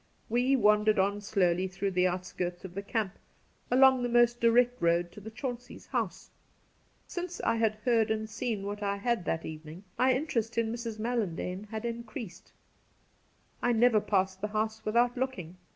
We wandered on slowly through the outskirts of the camp, along the most direct road to the Chaunceys' house. Since I had heard and seen what I had that evening my interest in Mrs. Mal landane had increased. I never passed the house without looking.